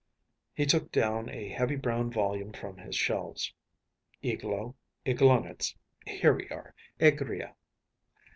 ‚ÄĚ He took down a heavy brown volume from his shelves. “Eglow, Eglonitz‚ÄĒhere we are, Egria.